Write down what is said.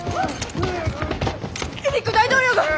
エリック大統領が！